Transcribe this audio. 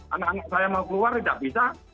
anak anak saya mau keluar tidak bisa